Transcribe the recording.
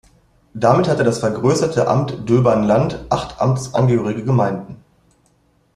Damit hatte das vergrößerte Amt Döbern-Land acht amtsangehörige Gemeinden.